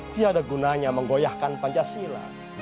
tiada gunanya menggoyahkan pancasila